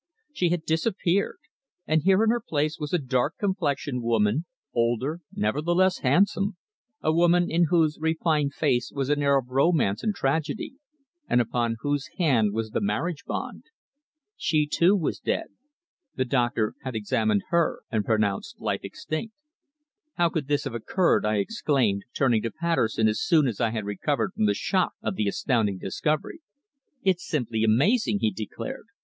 She had disappeared, and here in her place was a dark complexioned woman, older, nevertheless handsome a woman in whose refined face was an air of romance and tragedy, and upon whose hand was the marriage bond. She, too, was dead. The doctor had examined her and pronounced life extinct. "How could this have occurred?" I exclaimed, turning to Patterson as soon as I had recovered from the shock of the astounding discovery. "It's simply amazing!" he declared.